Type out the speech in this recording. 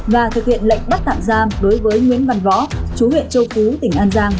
và thực hiện lệnh bắt tạm giam đối với nguyễn văn võ chú huyện châu phú tỉnh an giang